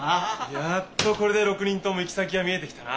やっとこれで６人とも行き先が見えてきたな。